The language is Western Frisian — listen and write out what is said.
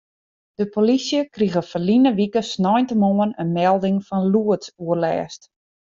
De polysje krige ferline wike sneintemoarn in melding fan lûdsoerlêst.